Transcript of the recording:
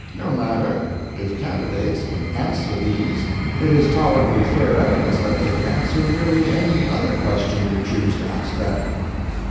"No matter; if candidates can answer these it is tolerably fair evidence that they can answer nearly any other question you choose to ask them."